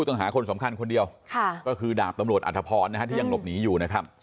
จะมาแค่มารับศพเรื่องก็ไม่รู้